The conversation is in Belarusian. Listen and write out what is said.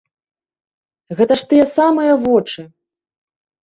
Гэта ж тыя самыя вочы.